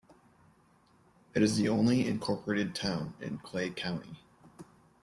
It is the only incorporated town in Clay County.